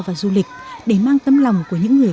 và du lịch để mang tâm lòng của những người